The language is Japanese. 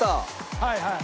はいはい。